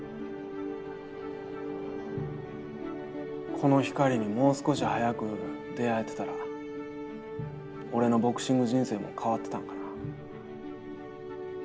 この光にもう少し早く出会えてたら俺のボクシング人生も変わってたんかな。